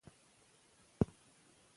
د دوبي په ګرم موسم کې خولې زیاتې کېږي.